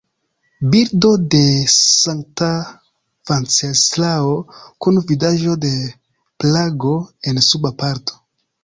Bildo de Sankta Venceslao kun vidaĵo de Prago en suba parto.